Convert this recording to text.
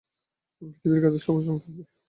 পৃথিবীর গাছে সবুজ রঙ থাকবে।